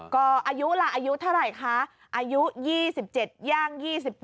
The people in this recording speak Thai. ก็อายุล่ะอายุเท่าไหร่คะอายุ๒๗ย่าง๒๘